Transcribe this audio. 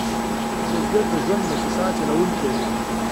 بزګر د ژوند موسسه چلوونکی دی